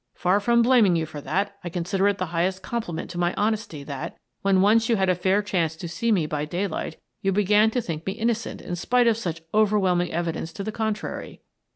Far from blaming you for that, I consider it the highest compliment to my honesty that, when once you had a fair chance to see me by daylight, you began to think me innocent in spite of such overwhelming evidence to the contrary."